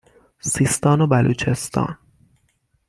سیستان و بلوچستان